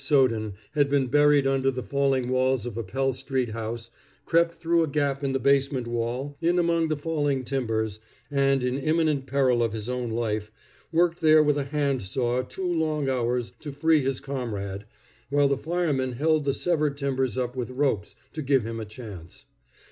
Soden had been buried under the falling walls of a Pell street house, crept through a gap in the basement wall, in among the fallen timbers, and, in imminent peril of his own life, worked there with a hand saw two long hours to free his comrade, while the firemen held the severed timbers up with ropes to give him a chance.